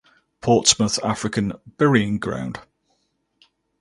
Portsmouth African Burying Ground